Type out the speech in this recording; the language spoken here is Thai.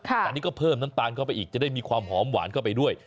แต่นี่ก็เพิ่มน้ำตาลเข้าไปอีกจะได้มีความหอมหวานเข้าไปด้วย